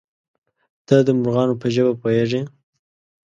_ته د مرغانو په ژبه پوهېږې؟